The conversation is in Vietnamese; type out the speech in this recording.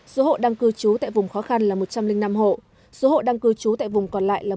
số hộ đang cư trú tại vùng khó khăn là một trăm linh năm hộ số hộ đang cư trú tại vùng còn lại là một trăm một mươi một hộ